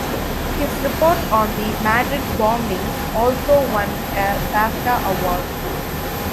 His report on the Madrid bombings also won a Bafta award.